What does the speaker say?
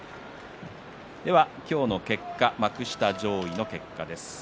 今日の結果、幕下上位です。